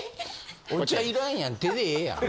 お茶いらんやん手でええやん。